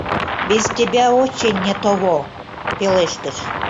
«Без тебя очень не того...» — пелештыш.